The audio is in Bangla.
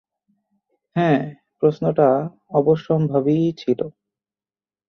হ্যাঁ, প্রশ্নটা অবশ্যম্ভাবীই ছিল।